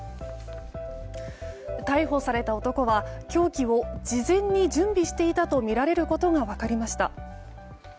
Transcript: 逮捕された男は凶器を事前に準備していたとみられることが分かりました。